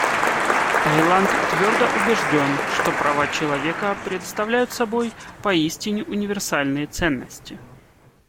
Таиланд твердо убежден, что права человека представляют собой поистине универсальные ценности.